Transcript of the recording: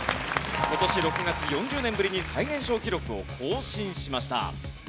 今年６月４０年ぶりに最年少記録を更新しました。